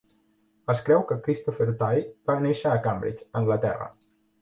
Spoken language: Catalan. Es creu que Christopher Tye va néixer a Cambridge, Anglaterra.